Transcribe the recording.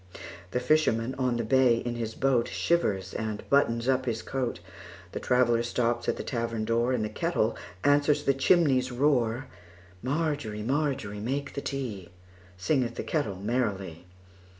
The fisherman on the bay in his boatShivers and buttons up his coat; The traveller stops at the tavern door, And the kettle answers the chimney's roar. Margery, Margery, make the tea, Singeth the kettle merrily.